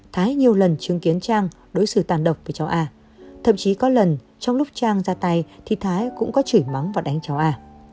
thái nhiều lần chứng kiến trang đối xử tàn độc với cháu a thậm chí có lần trong lúc trang ra tay thì thái cũng có chửi mắng và đánh cháu a